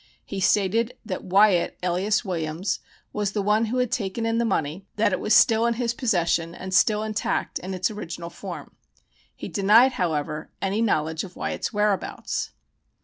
He stated that Wyatt (alias Williams) was the one who had taken in the money, that it was still in his possession, and still intact in its original form. He denied, however, any knowledge of Wyatt's whereabouts.